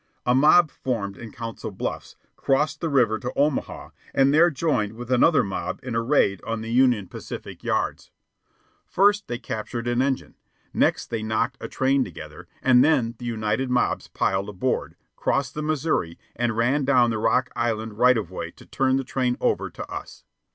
A mob formed in Council Bluffs, crossed the river to Omaha, and there joined with another mob in a raid on the Union Pacific yards. First they captured an engine, next they knocked a train together, and then the united mobs piled aboard, crossed the Missouri, and ran down the Rock Island right of way to turn the train over to us.